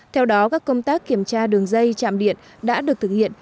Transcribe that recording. theo đó các công tác kiểm tra đường dây chạm điện đã được thực hiện